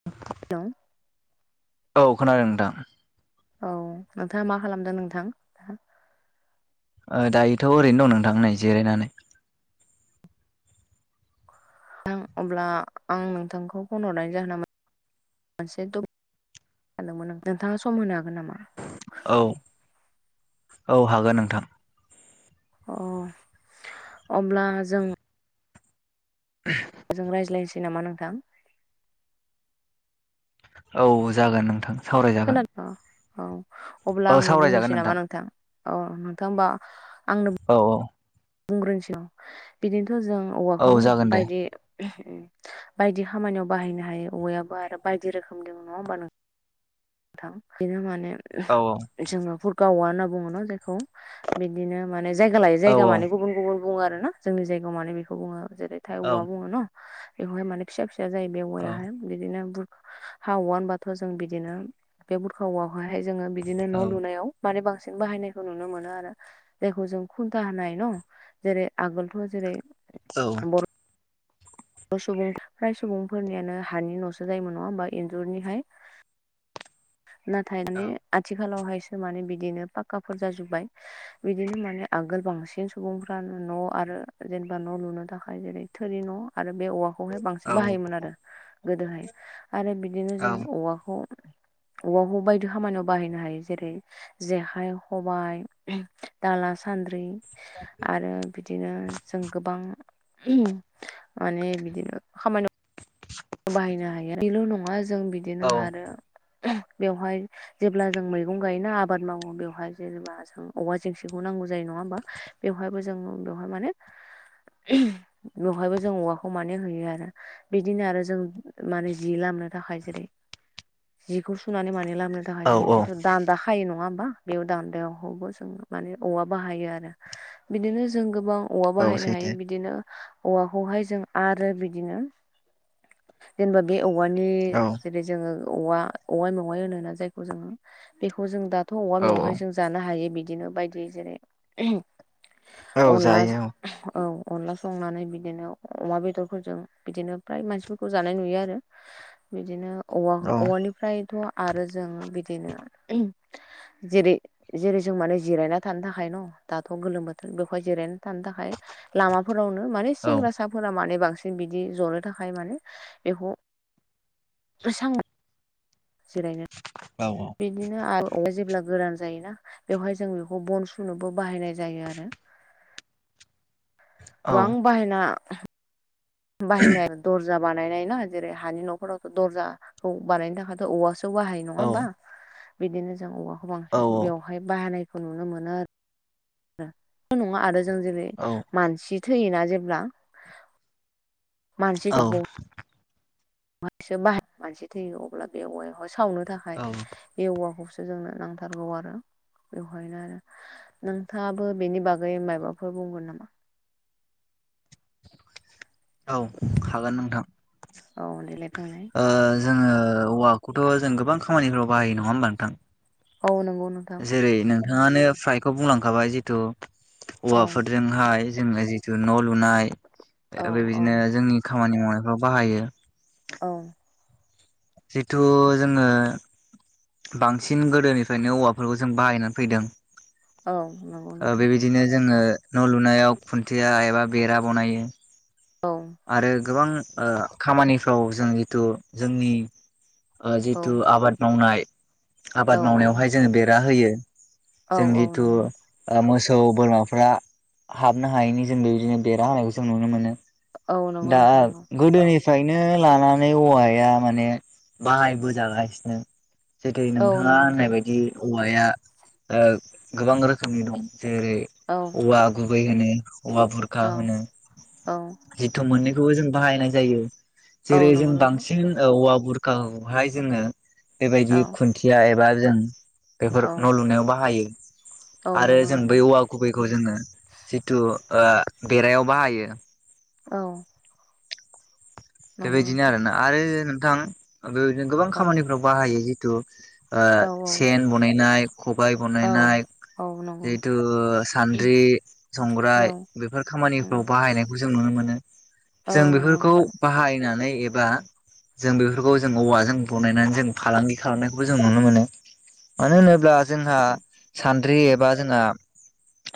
[inaudible] Hello औ खोनादों नोंथां औ नोंथाङा मा खालामदों नोंथां ओ दायोथ' ओरैनो दं नोंथां नै जिरायनानै। नोंथां अब्ला आं नोंथांखौ फन हरनाय जाहोना मोनसे दब सानदोंमोन आं नोंथाङा सम होनो हागोन नामा औ औ हागोन नोंथां अ अब्ला जों [inaudible] जों रायज्लायनोसै नामा नोंथां औ जागोन नोंथां सावरायजागोन। खोनादों औ अब्ला औ आंनो सावरायजागोन बुंनोसै नामा नोंथां औ नोंथां होमबा आंनो औ औ बुंग्रोनिसै आं बिदिनोथ' जों औ औवाखौनो जागोन दे बायदि बायदि खामानियाव बाहायनो हायो औवायाबो आरो बायदि रोखोम दं नङा होमबा नों थां बिनो माने औ जोंना भुरकाऔवा होनना बुङो ना बेखौ बिदिनो माने जायगा लायोै औ जायगा माने गुबुन गुबुन बुङो आरो ना जोंनि जायगायाव माने बेखौ बुङो जेरै थाय औ औवा बुङो न बेखौहाय माने फिसा फिसा जायो बे औ औवायाहाय। बिदिनो बुरखा औवा होनबाथ' जों बिदिनो बे बुरखा औवा बेहायहाय जोंङो बिदिनो औ न' लुनायाव माने बांसिन बाहायनायखौ नुनो मोनो आरो। जायखौ जों खुन्था होनाय न जेरै आगोलथ' जेरै औ बर' सुबुं फ्राय सुबुंफोरनियानो हानि न'सो जायोमोन नङा होमबा इन्जुरनिहाय नाथाय औ आथिखालावहायसो माने बिदिनो पाक्काफोर जाजोब्बाय। बिदिनो माने आगोल बांसिन सुबुंफ्रानो न' आरो जेनेबा न' लुनो थाखाय जेरै थोरि न' आरो बे औवा खौहाय बांसिन बाहायोमोन आरो गोदोहाय आरो बिदिनो जों औवाखौ औवाखौ बायदि खामानियाव बाहायनो हायो जेरै जेखाय खबाय दाला सान्द्रि आरो बिदिनो जों गोबां माने बिदिनो खामानियाव बाहायनो हायो बेल' नङा जों औ बिदिनो आरो बेवहाय जेब्ला जों मैगं गायोना आबाद मावो बेवहाय जेनेबा जों औवा जेंसिखौ नांगौ जायो नङा होमबा बेवहायबो जों बेवहाय माने बेवहायबो जों औवाखौ मानि होयो आरो। बिदिनो आरो जों माने जि लामनो थाखाय जेरै जिखौ सुनानै माने लामनो थाखाय जों औ जिथु औ दान्दा खायो नङा होमबा बेयाव दान्दायाहवबो जों माने औवा बाहायो आरो। बिदिनो जों गोबां औवा औ बाहायनो हायो सैथो बिदिनो औवाखौहाय जों आरो बिदिनो जेनेबा बे औवानि औ जेरै जोङो औवा औवा मेवाय होनो ना जायखौ जोङो बेखौ जों दाथ' औवा औ मेवहायजों जानो हायो बिदिनो बायदि जेरै औ अनला जायो औ अनला संनानै बिदिनो अमा बेदरफोरजों बिदिनो फ्राय मानसिफोरखौ जानाय नुयो आरो। बिदिनो औ औ-औवानिफ्रायथ' आरो जों बिदिनो जेरै जेरै जों माने जिरायना थानो थाखाय न' दाथ' गोलोम बोथोर बेखौहाय जिरायना थानो थाखाय लामाफोरावनो माने औ सेंग्रा फिसाफोरा माने बांसिन बिदि जनो थाखाय माने बेखौ सां जिरायनो औ औ बिदिनो आरो औवाया जेब्ला गोरान जायोना बेवहाय जों बेखौ बन सुनोबो बाहायनाय जायो आरो। औ गोबां बाहायना बाहायनाय दरजा बानायनाय ना जेरै हानि न'फोरावथ' दर्जाखौ बानायनो थाखायथ' औवासो खौ बाहायो नङा होमबा बिदिनो जों औवाखौ बांसिन औ औ बेवहाय बाहानायखौ नुनो मोनो आरो। नङा आरो जों जेरै औ मानसि थैयोना जेब्ला मानसि दहौ माखसे बाहायो मानसि थैयो अब्ला बे औवायावहाय सावनो थाख औ बे औवाखौसो जोंनो नांथारगौ आरो बेवहायनो आरो नोंथाङाबो बेनि बागै माबाफोर बुंगोन नामा? औ हागोन नोंथां‌। औ देलाय बुंलाय ओ जोङो औवाखौथ' जों गोबां खामानिफ्राव बाहायो नङा होमबा नोंथां? औ नंगौ नों जेरै नोंथाङानो फ्रायखौ बुंलांखाबाय जिथु औ औवाफोरजों हाय जोङो जिथु न' लुनाय औ बे औ बेबायदिनो जोंनि खामानि मावनायफ्राव बाहायो। औ जितु जोङो बांसिन गोदोनिफ्रायनो औवाफोरखौ जों बाहायनानै फैदों। औ नंगौ नोंथां। बिदिनो जोङो न' लुनायाव खुन्थिया एबा बेरा बनायो। औ आरो गोबां खामानिफ्राव जों जितु जोंनि औ जितु आबाद मावनाय औ आबाद औ मावनायावहाय जोङो बेरा होयो औ जों औ जितु नंगौ मोसौ बोरमाफ्रा हाबनो हायैनि जों बेबायदिनो बेरा होनायखौ जों नुनो मोनो। औ नंगौ दा नोंथां नंगौ गोदोनिफ्रायनो लानानै औवाया माने बाहायबोजागासिनो। जेरै औ नोंथाङा नंगौ नोंथां होननाय बायदि औवाया ओ गोबां रोखोमनि दं जेरै औ औवा गुबै होनो औवा भुरखा औ होनो। औ। जिथु मोन्नैखौबो जों बाहायनाय जायो औ जेरै जों नंगौ नोंथां बांसिन औवा बुर गावहाय जोङो बेबायदि औ खुन्थिया एबा जों बेफोर औ न' लुनायाव बाहायो, औ आरो नंगौ जों बै नोंथां औवा गुबैखौ जोङो जिथु बेरायाव बाहायो। औ। नंगौ बेबायदिनो नोंथां आरोना। आरो नोंथां बेबायदिनो गोबां औ खामानिफोराव बाहायो जिथु ओ औ सेन बनायनाय खबायाइ औ बनायनाय औ नंगौ जिहेतु नोंथां सान्द्रि, औ संग्राय बेफोर खामानिफ्राव बाहायनाय बो जों नुनो मोनो औ जों नंगौ बेफोरखौ नोंथां बाहायनानै एबा जों बेफोरखौ जों औवाजों बनायनानै जों फालांगि खालामनायखौबो जों नुनो मोनो। मानो होनोब्ला जोंहा सान्द्रि एबा जोंहा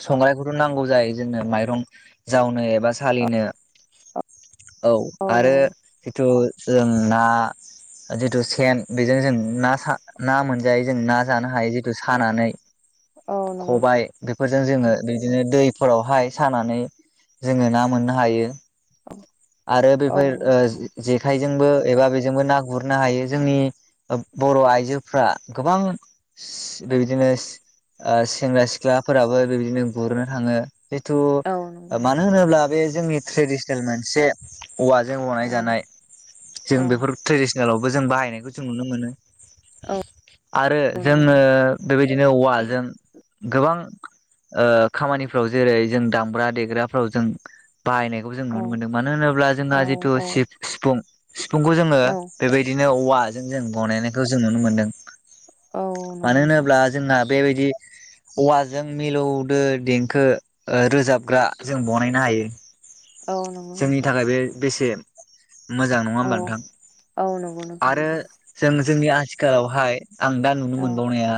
संग्रखौथ' नांगौ जायो जोंनो माइरं जावनो एबा सालिनो। [inaudible] औ औ आरो नंगौ जिथु जों ना जिथु सेन बेजों जों ना ना मोनजायो जों ना जानो हायो जिथु सानानै। औ नंगौ खबाय बेफोरजों जोङो बिदिनो दैफोरावहाय सानानै जोङो ना मोननो हायो। आरो औ बेफोर नंगौ ओ जेखाइजोंबो एबा बेजोंबो ना गुरनो हायो, जोंनि ओ बर' आइजोफ्रा गोबां बेबायदिनो ओ सेंग्रा-सिख्लाफोराबो बेबायदिनो गुरनो थाङो। जिथु औ नंगौ नोंथां मानो होनोब्ला बे जोंनि ट्रेडिसनेल मोनसे औवाजों बनाय औ जानाय औ जों बेफोर ट्रेडिसनेलावबो जों बाहायनायखौ जों नुनो मोनो। औ। आरो औ नंगौ जोङो बेबायदिनो औवाजों गोबां ओ खामानिफ्राव जेरै जों दामग्रा देग्राफोराव जों बाहायनायखौ जों औ नुनो मोन्दों। मानो होनोब्ला जोंहा औ जिथु औ सिफ सिफुं सिफुंखौ जोङो औ बेबायदिनो औवाजों जों बनायनायखौ जों नुनो मोनदों। औ नंगौ मानो नोंथां होनोब्ला जोंना बेबायदि औवाजों मिलौदो देंखो ओ रोजाबग्रा जों बानायनो हायो। औ नंगौ। जोंनि नोंथां थाखाय बे बेसे मोजां नङा औ होमबा नोंथां? औ नंगौ नोंथां आरो नंगौ जों जोंनि आथिखालावहाय आं दा नुनो औ मोनबावनाया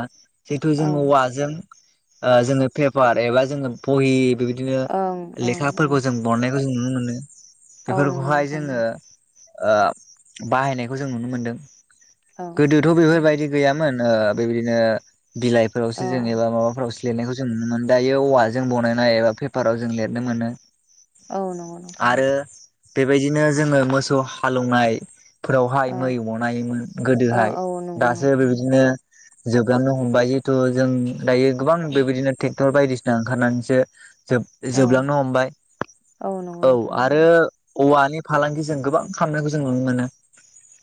जिहेतु औ जोङो औवाजों ओ जोङो पेपार एबा जोङो बहि बेबायदिनो ओं ओं ओं लेखाफोरखौ जों बरनायखौ जों नुनो मोनो, औ नंगौ बेफोरखौहाय नोंथां जोङो नंगौ ओ बाहायनायखौ जों नुनो मोनदों। औ गोदोथ' बेफोरबायदि गैयामोन ओ बेबायदिनो औ बिलाइफोरावसो जों एबा माबाफोरावसो लिरनायखौ जों नुनो मोनो। दायो औवाजों बनायनाय एबा पेपाराव जों लिरनो मोनो। औ नंगौ। नोंथां नंगौ आरो बेबायदिनो जोङो मोसौ हालोवनाय फोरावहाय औ मै अनायोमोन ओ गोदोहाय, औ नंगौ दासो नोंथां नंगौ बेबायदिनो जोबलांनो हमबाय जिहेथु जों दायो गोबां बेबायदिनो ट्रेक्टर बायदिसिना ओंखारनानैसो औ जोब-जोबलांनो हमबाय। नंगौ औ। नोंथां नंगौ आरो औवानि फालांगि जों गोबां खालामामनायखौ जों नुनो मोनो।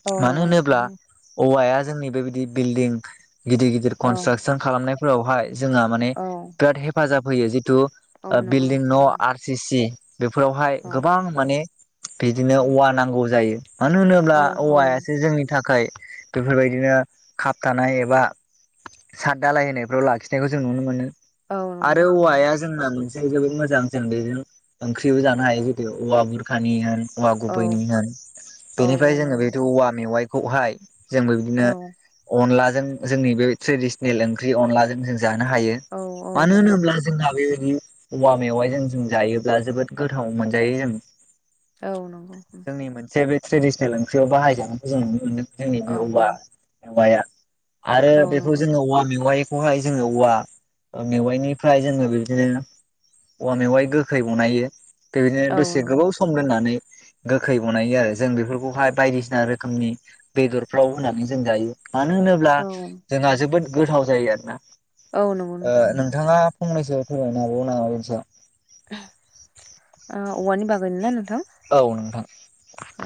औ मानो नंगौ नोंथां होनोब्ला नंगौ औवाया जोंनि बेबायदि बिल्डिं गिदिर गिदिर औ कनस्ट्राकसन खालामनायफोरावहाय जोंहा माने औ बिराद हेफाजाब होयो जिथु औ नंगौ बिल्डिं नोंथां न' नंगौ आर सि सि बेफोरावहाय औ गोबां माने बिदिनो औवा नांगौ जायो। मानो होनोब्ला औ औवायासो जोंनि थाखाय बेफोरबायदिनो खाबथानाय एबा साद दालाय होनायफ्राव लाखिनायखौ जों नुनो मोनो। औ नंगौ आरो नोंथां नंगौ औवाया जोंना मोनसे जोबोद मोजां जों बेजों ओंख्रिबो जानो हायो जुदि औवा बुरखानि होन औवा औ गुबैनि होन औ औ बेनिफ्राय जोङो नंगौ बेथ' नोंथां औवा मेवाइखौहाय जोंबो बिदिनो औ अनलाजों जोंनि बे ट्रेडिसनेल ओंख्रि अनलाजों जों जानो हायो। औ औ मानो नंगौ होनोब्ला नोंथां जोंहा बेबायदि औवा मेवाइजों जों जायो ब्ला जोबोद गोथाव मोनजायो जों औ नंगौ नोंथां जोंनि मोनसे बे ट्रेडिसनेल ओंख्रियाव बाहायजानायखौ जों नुनो मोनदों जोंनि बे औ औवा मेवाया आरो औ बेखौ नंगौ जोङो नोंथां औवा मेवाय खौहाय जोङो औवा ओ मेवाइनिफ्राय जोङो बिदिनो औवा मेवाइ गो खै बनायो बेबायदिनो औ दसे नंगौ गोबाव सम दोननानै गोखै बनायो आरो जों बेफोरखौहाय बायदिसिना रोखोमनि बेदरफ्राव होनानै जों जायो। मानो होनोब्ला औ जोंहा जोबोद गोथाव जायो आरोना औ नंगौ नोंथां ओ नंगौ नोंथाङा फंनैसो [unintelligible] हाबावगोन नामा [unintelligible] सायाव ओ औवानि बागैनो ना नोंथां औ नोंथां औ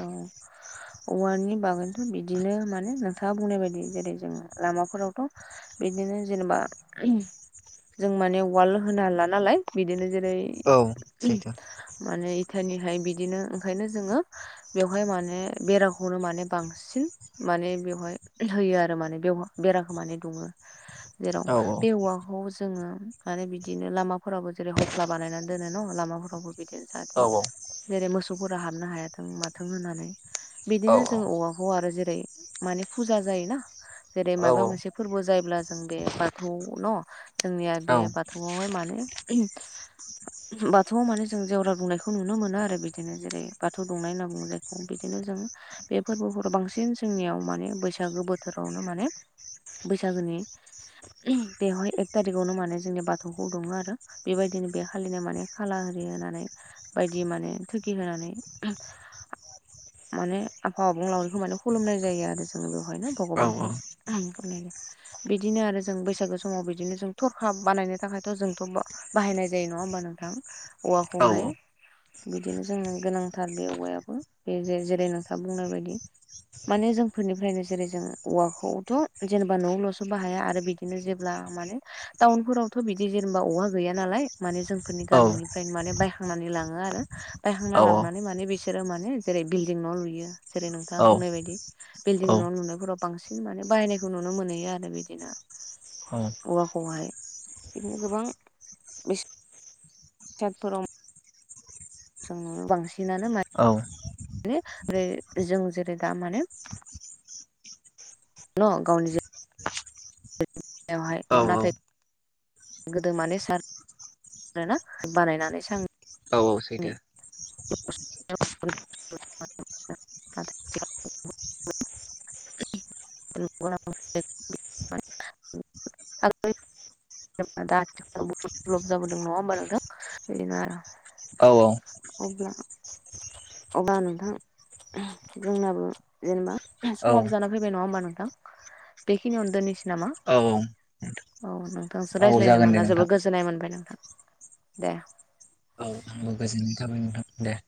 औवानि बागैथ' बिदिनो माने नोंथाङा बुंनाय बायदि जेरै जोङो लामाफोरावथ' बिदिनो जेनेबा [unintelligible] जों माने वाल होनो हाला नालाय बिदिनो जेरै औ सैथो माने इटानिहाय बिदिनो ओंखायनो जोङो बेवहाय माने बेराखौनो माने बांसिन माने बेवहाय होयो आरो माने बेव बेराखौ माने दुङो जेराव औ बे औवाखौ जोङो आरो बिदिनो लामाफोरावबो जेरै हख्ला बानायनानै दोनो न' लामाफोरावबो बिदिनो जाहाथे औ औ जेरै मोसौफोरा हाबनो हायाथों माथों होननानै औ बिदिनो जों औवा [unintelligible] आरो जेरै माने फुजा जायोना जेरै माबा औ मोनसे फोरबो जायोब्ला जों बे बाथौ न जोंनिया औ बे बाथौआवहाय माने बाथौआव माने जों जेवरा बुंनायखौ नुनो मोनो आरो बिदिनो जेरै बा थ' दुंनाय होनना बुंङो जायखौ बिदिनो जोंङो बे फोरबोफोर बांसिन जोंनियाव माने बैसागो बोथोरावनो माने बैसागोनि बेवहाय एक थारिखावनो माने जोंनि बाथौखौ दुमो आरो बेबायदिनो बे खालिनो माने खाला आरि होनानै बायदि माने थुगि होनानै माने आफा आबंलावरिखौ माने खुलुमनाय जायो आरो जो जों बेवहायनो औ औ भगबानखौ [unintelligible] बिदिनो आरो जों बैसागो समाव बिदिनो जों थरखा बानायनो थाखायथ' जोंथ' बाहायनाय जायो नङा होमबा नोंथां औ सैथो औ सैथो औ औवाखौहाय बिदिनो जोंङो गोनां थार बे औवायाबो बे जेरै नोंथाङा बुंनाय बायदि माने जोंफोरनिफ्रायनो जेरै जों औवाखौथ' जेनेबा न'आवल'सो बाहाया आरो बिदिनो जेब्ला माने टाउनफोरावथ' बिदि जेनेबा औवा गैया नालाय माने जोंफोरनि गामिनिफ्रायनो माने बायखांनानै लाङो आरो बायहांना लाङ माने बिसोरो माने जेरै बिल्डिं न' लुयो जेरै नोंथाङा बुंनाय बायदि बिल्डं न' लुनायफोराव बांसिन माने बाहायनायखौ नुनो मोनहैयो आरो बिदिनो ओं औवा खौहाय बिदिनो गोबां [unintelligible] जों नुनो बांसिनानो औ ने रे जों जेरै दा माने न गावनि जे यावहाय नाथाय गोदो माने सार आरोना बानायनानै सां औ औ सैथो। [unintelligible] [unintelligible] [unintelligible] लप जाबोदों नङा होमबा नोंथां बिदिनो आर औ औ अब्ला अब्ला नोंथां [unintelligible] जोंनाबो जेनेबा औ समाबो जाना फैबाय नङा होमबा नोंथां बेखिनियावनो दोनसै नामा औ औ नोंथांसो औ रायज्लायनो जागोन दे मोना जोबोर नोंथां गोजोन जोननाय मोनबाय नोंथां दे औ आंबो गोजोननाय थाबाय नोंथां दे